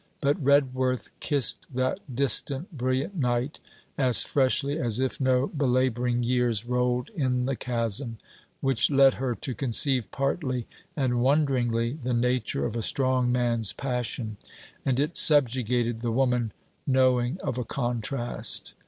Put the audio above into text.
But Redworth kissed that distant brilliant night as freshly as if no belabouring years rolled in the chasm: which led her to conceive partly, and wonderingly, the nature of a strong man's passion; and it subjugated the woman knowing of a contrast.